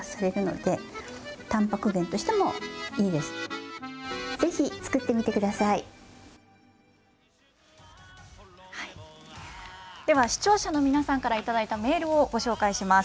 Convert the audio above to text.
では、視聴者の皆さんから頂いたメールをご紹介します。